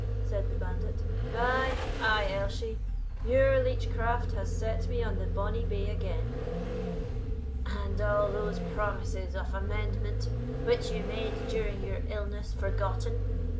said the bandit; "ay, ay, Elshie, your leech craft has set me on the bonny bay again." "And all those promises of amendment which you made during your illness forgotten?"